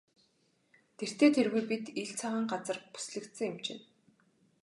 Тэртэй тэргүй бид ил цагаан газар бүслэгдсэн юм чинь.